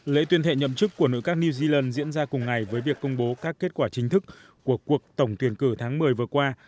lễ tuyên thệ nhậm chức của nội các new zealand diễn ra cùng ngày với việc công bố các kết quả chính thức của cuộc tổng tuyển cử tháng một mươi vừa qua